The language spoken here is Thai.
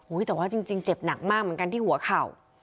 แต่ว่าจริงเจ็บหนักมากเหมือนกันที่หัวเข่า